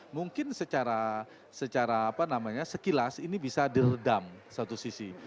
mungkin secara sekilas ini bisa diredam satu sisi